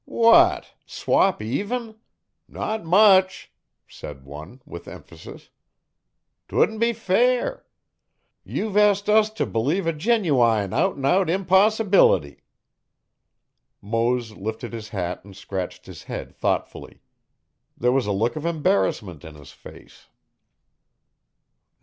'What, swop even? Not much!' said one, with emphasis. ''Twouldn't be fair. Ye've ast us t' b'lieve a genuwine out 'n out impossibility.' Mose lifted his hat and scratched his head thoughtfully. There was a look of embarrassment in his face.